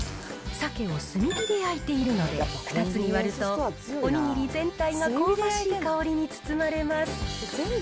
サケを炭火で焼いているので、２つに割ると、お握り全体が香ばしい香りに包まれます。